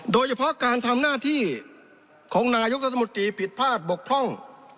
โดยเฉพาะการทำหน้าที่ของนายกรัฐมนตรีผิดพลาดบกพร่อง